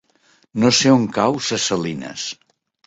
No sé on cau Ses Salines.